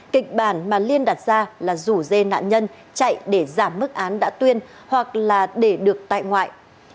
kịch bản mà liên đặt ra là rủ dê nạn nhân chạy để giảm mức án đã tuyên hoặc là để được tại ngoại